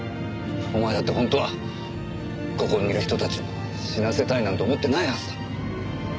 お前だって本当はここにいる人たちを死なせたいなんて思ってないはずだ。